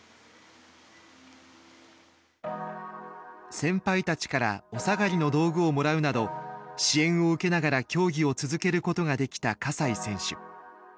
でも先輩たちからお下がりの道具をもらうなど支援を受けながら競技を続けることができた西選手。